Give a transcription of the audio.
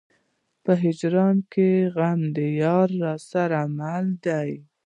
په هجران کې غم د يار راسره مل دی.